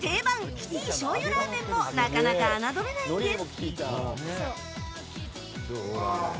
キティ醤油ラーメンもなかなか侮れないんです。